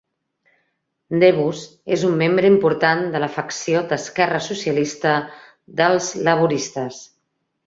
Debus és un membre important de la facció d"esquerra socialista dels laboristes.